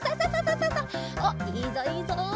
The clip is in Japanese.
おっいいぞいいぞ！